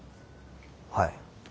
はい。